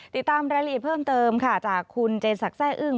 ติดตามรายละเอียดเพิ่มเติมจากคุณเจศักดิ์ไซ่อึ้ง